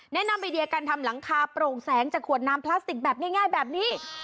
นำไอเดียการทำหลังคาโปร่งแสงจากขวดน้ำพลาสติกแบบง่ายแบบนี้